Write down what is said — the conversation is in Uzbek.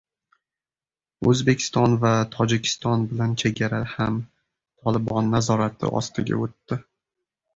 O‘zbekiston va Tojikiston bilan chegara ham "Tolibon" nazorati ostiga o‘tdi